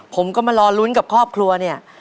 ผมก็มารอลุ้นกับครอบครัวเนี่ย